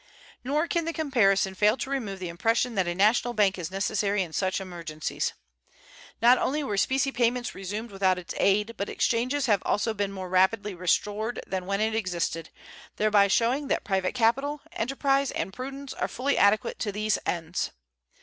Nor can the comparison fail to remove the impression that a national bank is necessary in such emergencies. Not only were specie payments resumed without its aid, but exchanges have also been more rapidly restored than when it existed, thereby showing that private capital, enterprise, and prudence are fully adequate to these ends.